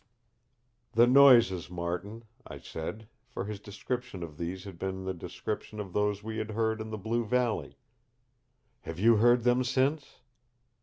"The noises, Martin," I said, for his description of these had been the description of those we had heard in the blue valley. "Have you heard them since?"